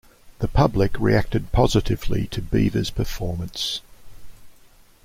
The public reacted positively to Beavers' performance.